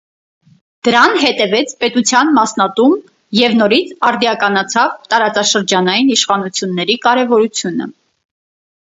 Դրան հետևեց պետության մասնատում և նորից արդիականացավ տարածաշրջանային իշխանությունների կարևորությունը։